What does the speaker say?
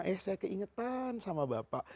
eh saya keingetan sama bapak